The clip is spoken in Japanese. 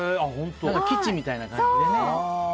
基地みたいな感じでね。